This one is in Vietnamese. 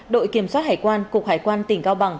đội kiểm soát hải quan cục hải quan tỉnh cao bằng